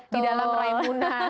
di dalam raimuna